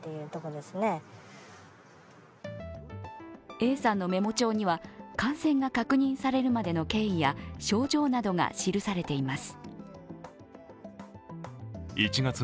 Ａさんのメモ帳には感染が確認されるまでの経緯や症状などが記されています。